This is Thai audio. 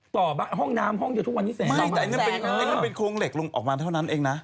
ต่อบ้านห้องน้ำครอกนั้นมันทุกวันนี้แสง